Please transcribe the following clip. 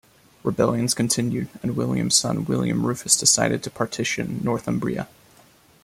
Rebellions continued, and William's son William Rufus decided to partition Northumbria.